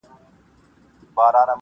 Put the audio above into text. راته یاده مي کیسه د مولوي سي -